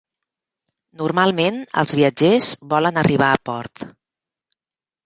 Normalment els viatgers volen arribar a port.